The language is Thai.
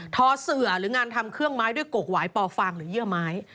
อเสือหรืองานทำเครื่องไม้ด้วยกกหวายปอฟางหรือเยื่อไม้